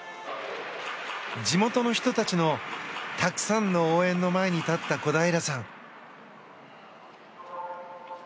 地元の人たちのたくさんの応援の前に立った小平さん。